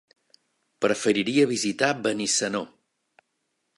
Preferiria visitar Benissanó.